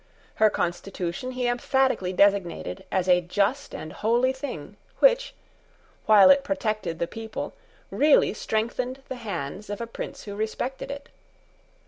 Her constitution he emphatically designated as a just and holy thing, which, while it protected the people, really strengthened the hands of a prince who respected it.